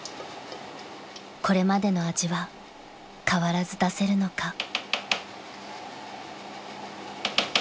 ［これまでの味は変わらず出せるのか？］